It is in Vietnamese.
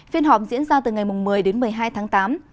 phiên họp diễn ra từ ngày một mươi đến một mươi hai tháng tám